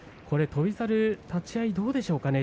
翔猿、立ち合いどうでしょうね。